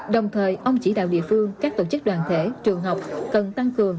đồng thời ông chỉ đạo địa phương các tổ chức đoàn thể trường học cần tăng cường